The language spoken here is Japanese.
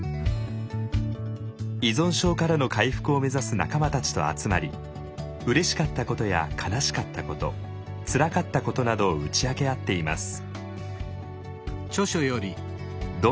依存症からの回復を目指す仲間たちと集まりうれしかったことや悲しかったことつらかったことなどを打ち明け合っています。